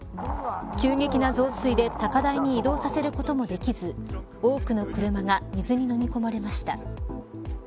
急激な増水で高台に移動させることもできず多くの車が水に飲み込まれました。